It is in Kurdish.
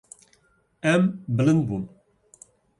Em bilind bûn.